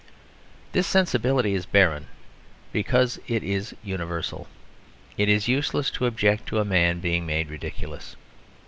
This sensibility is barren because it is universal. It is useless to object to man being made ridiculous.